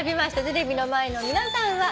テレビの前の皆さんは。